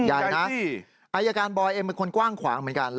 อายการบอยเป็นคนกว้างขวางเหมือนกัน